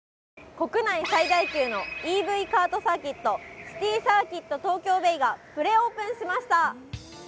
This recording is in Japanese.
国内最大級のＥＶカートサーキットシティ・サーキット・東京ベイがプレオープンしました。